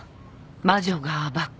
魔女が暴く。